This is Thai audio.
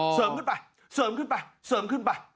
ขึ้นไปเสริมขึ้นไปเสริมขึ้นไป